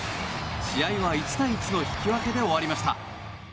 試合は１対１の引き分けで終わりました。